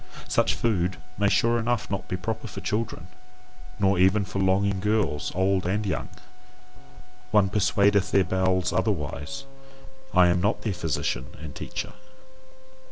Such food may sure enough not be proper for children, nor even for longing girls old and young. One persuadeth their bowels otherwise; I am not their physician and teacher.